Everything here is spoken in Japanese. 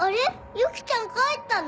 雪ちゃん帰ったの？